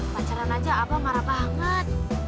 pacaran aja apa marah banget